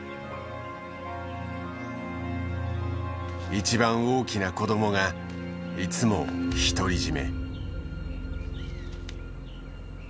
一番大きな子供がいつも独り占め。